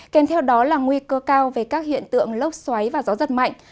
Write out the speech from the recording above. kèm theo đó là nguy cơ cao về các hiện tượng lốc xoáy và gió giật mạnh